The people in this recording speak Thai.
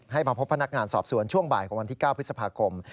มาพบพนักงานสอบสวนช่วงบ่ายของวันที่๙พฤษภาคม